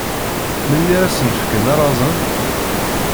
Melmi ara sen-fken arazen?